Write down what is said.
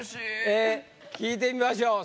ええ聞いてみましょう。